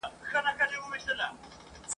دلته چي هر خوږمن راغلی نیمه خوا وتلی !.